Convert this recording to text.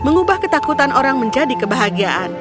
mengubah ketakutan orang menjadi kebahagiaan